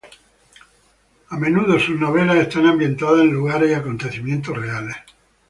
Sus novelas son a menudo ambientadas en lugares y acontecimientos reales.